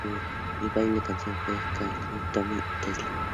El baile de la canción fue coreografiado por Tony Testa.